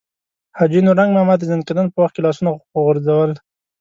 حاجي نورنګ ماما د ځنکدن په وخت کې لاسونه غورځول.